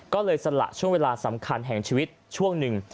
ก็เลยสละช่วงเวลาสำคัญแห่งชีวิตช่วงหนึ่ง